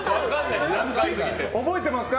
覚えてますか？